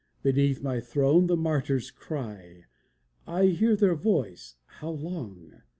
Beneath my throne the martyrs cry; I hear their voice, How long?